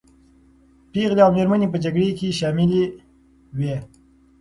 پېغلې او مېرمنې په جګړه کې شاملي وې.